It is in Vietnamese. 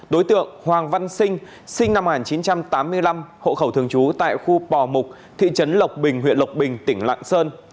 đối tượng hoàng văn sinh sinh năm một nghìn chín trăm tám mươi năm hộ khẩu thường trú tại khu pò mục thị trấn lộc bình huyện lộc bình tỉnh lạng sơn